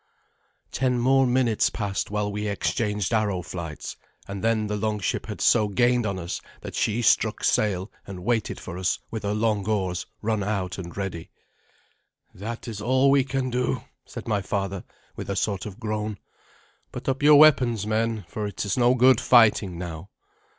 Ten more minutes passed while we exchanged arrow flights, and then the longship had so gained on us that she struck sail and waited for us with her long oars run out and ready. "That is all we can do," said my father, with a sort of groan. "Put up your weapons, men, for it is no good fighting now."